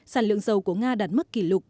sản lượng dầu của nga đạt mức kỷ lục